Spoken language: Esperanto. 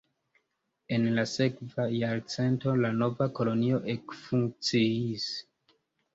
En la sekva jarcento la nova kolonio ekfunkciis.